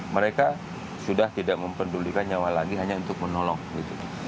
mereka sudah tidak mempedulikan nyawa lagi hanya untuk menolong gitu